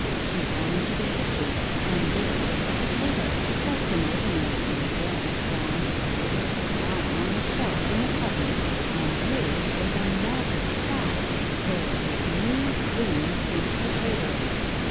She ran into the kitchen, and there was the Potato — just an ordinary one again, brown and dirty, — lying on the shelf in the cupboard, and near it was a Magic Sack filled with new, clean, pink Potatoes!